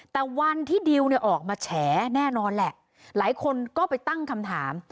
แต่วันที่ดิวเนี่ยออกมาแฉแน่นอนแหละหลายคนก็ไปตั้งคำถาม